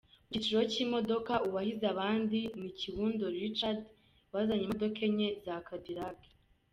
Mu cyiciro cy’imodoka uwahize abandi ni Kiwundo Richard wazanye imodoka enye za Cadillac.